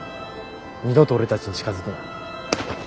二度と俺たちに近づくな。